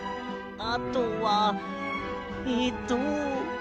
あとはえっと。